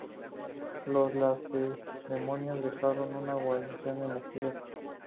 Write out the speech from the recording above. Los lacedemonios dejaron una guarnición en la ciudad.